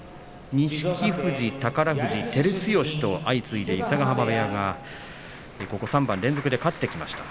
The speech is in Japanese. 錦富士、宝富士、照強と相次いで伊勢ヶ濱部屋が３番連続で勝ってきました。